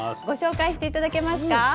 ご紹介していただけますか？